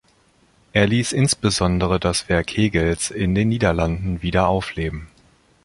Er ließ insbesondere das Werk Hegels in den Niederlanden wieder aufleben.